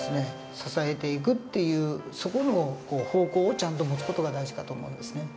支えていくっていうそこの方向をちゃんと持つ事が大事かと思うんですね。